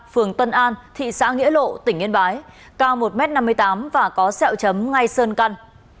phường tân an thị xã nghĩa lộ tỉnh yên bái cao một m năm mươi tám và có sẹo chấm ngay sơn căn